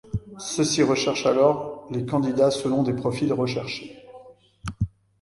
Ceux-ci recherchent alors les candidats selon des profils recherchés.